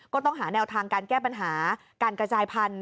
ก็ต้องหาแนวทางการแก้ปัญหาการกระจายพันธุ